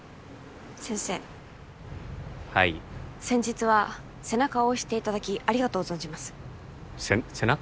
先生はい先日は背中を押していただきありがとう存じますせ背中？